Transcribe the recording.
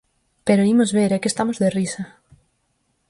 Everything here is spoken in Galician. Pero ¡imos ver, é que estamos de risa!